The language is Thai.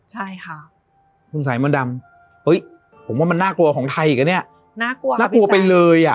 สงสัยมณ์ดำผมว่ามันน่ากลัวของไทยกันเนี่ยน่ากลัวไปเลย